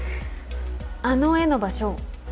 あの絵の場所